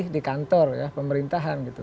di kantor ya pemerintahan gitu